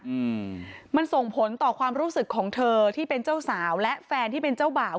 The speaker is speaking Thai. อืมมันส่งผลต่อความรู้สึกของเธอที่เป็นเจ้าสาวและแฟนที่เป็นเจ้าบ่าว